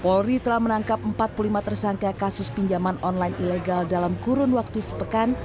polri telah menangkap empat puluh lima tersangka kasus pinjaman online ilegal dalam kurun waktu sepekan